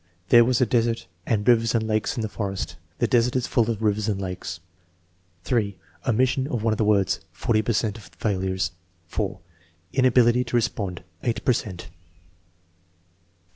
"There was a desert and rivers and lakes in the forest." "The desert is full of rivers and lakes." (3) Omission of one of the words (40 per cent of the failures). (4) Inability to respond (8 per cent).